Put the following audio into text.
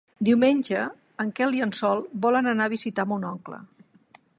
Diumenge en Quel i en Sol volen anar a visitar mon oncle.